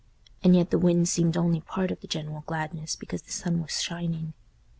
And yet the wind seemed only part of the general gladness because the sun was shining.